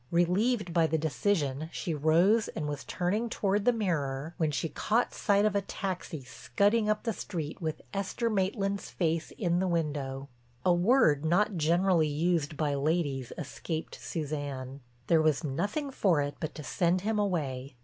Relieved by the decision she rose and was turning toward the mirror, when she caught sight of a taxi scudding up the street with Esther Maitland's face in the window. A word not generally used by ladies escaped Suzanne. There was nothing for it but to send him away.